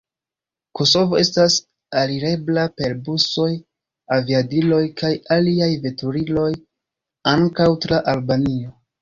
Kosovo estas alirebla per busoj, aviadiloj kaj aliaj veturiloj, ankaŭ tra Albanio.